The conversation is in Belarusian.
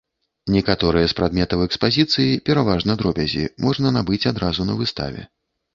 Некаторыя з прадметаў экспазіцыі, пераважна дробязі, можна набыць адразу на выставе.